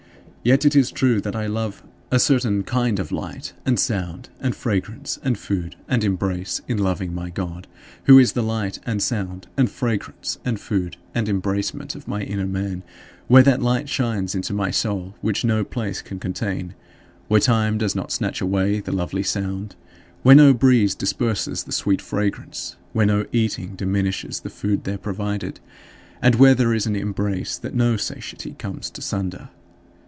Yet it is true that I love a certain kind of light and sound and fragrance and food and embrace in loving my God, who is the light and sound and fragrance and food and embracement of my inner man where that light shines into my soul which no place can contain, where time does not snatch away the lovely sound, where no breeze disperses the sweet fragrance, where no eating diminishes the food there provided, and where there is an embrace that no satiety comes to sunder.